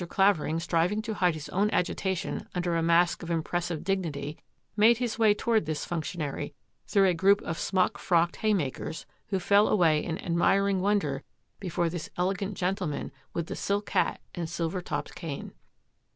Clavering, striving to hide his own agitation under a mask of impressive dignity, made his way toward this functionary through a group of smock frocked haymakers, who fell away in admiring wonder before this elegant gentleman with the silk hat and silver topped cane.